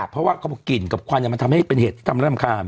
เพราะว่ากลิ่นกับควันมันทำให้เป็นเหตุกรรมร่ำคาม